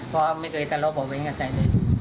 เพราะไม่เคยตลอดบอกไว้กับใครเลย